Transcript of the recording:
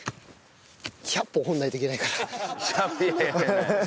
１００本掘らないといけないから。